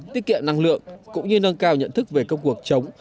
tiết kiệm năng lượng cũng như nâng cao nhận thức về công cuộc chống